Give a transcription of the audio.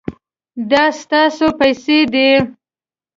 دا ستاسو پیسې دي